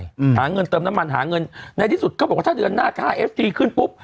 อืมหาเงินเติมน้ำมันหาเงินในที่สุดเขาบอกว่าถ้าเดือนหน้าค่าเอฟซีขึ้นปุ๊บ